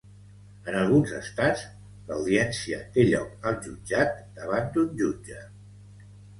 En alguns estats, l'audiència té lloc al jutjat davant d'un jutge.